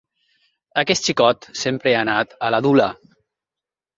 Aquest xicot sempre ha anat a la dula.